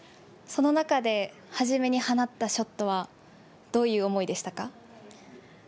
その中で、初めに放ったショットは、どういう思いでしたか？